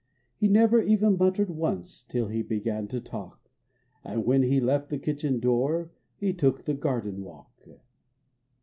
He never even muttered once Till he began to talk, And when he left the kitchen door He took the garden walk.